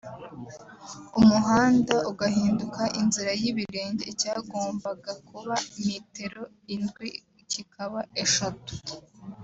umuhanda ugahinduka inzira y’ibirenge icyagombaga kuba mitero indwi kikaba eshatu